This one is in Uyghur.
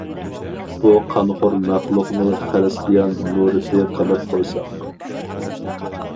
بۇ قانخور مەخلۇقنى خىرىستىيان مۇرىتى قىلىپ قويساڭ!